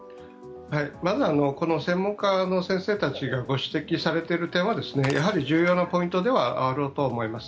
まずこの専門家の先生たちがご指摘されている点はやはり重要なポイントではあろうと思います。